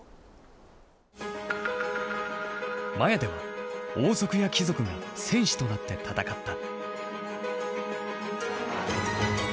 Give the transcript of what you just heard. マヤでは王族や貴族が戦士となって戦った。